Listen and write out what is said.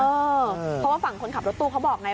เพราะว่าฝั่งคนขับรถตู้เขาบอกไง